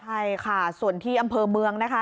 ใช่ค่ะส่วนที่อำเภอเมืองนะคะ